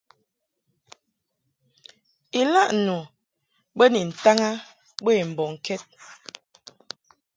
Ilaʼ nu bo ni ntaŋ a bə i mbɔŋkɛd.